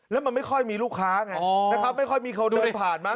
แล้วมันไม่ค่อยมีลูกค้าไงนะครับไม่ค่อยมีคนเดินผ่านมา